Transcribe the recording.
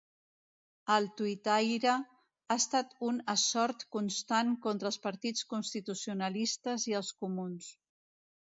El tuitaire ha estat un assot constant contra els partits constitucionalistes i els comuns.